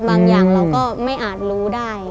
บางอย่างเราก็ไม่อาจรู้ได้